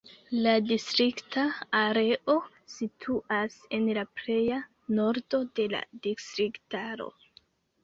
La distrikta areo situas en la pleja nordo de la distriktaro.